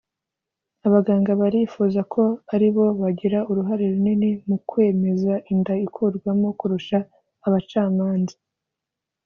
Abaganga barifuza ko ari bo bagira uruhare runini mu kwemeza inda ikurwamo kurusha abacamanza